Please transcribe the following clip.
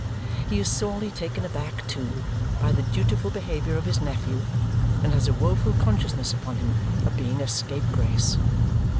He is sorely taken aback, too, by the dutiful behaviour of his nephew and has a woeful consciousness upon him of being a scapegrace.